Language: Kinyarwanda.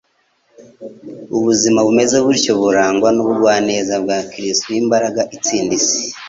Ubuzima bumeze butyo burangwa n'ubugwaneza bwa Kristo, ni imbaraga itsinda isi.